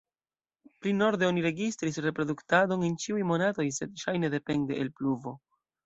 Pli norde oni registris reproduktadon en ĉiuj monatoj, sed ŝajne depende el pluvo.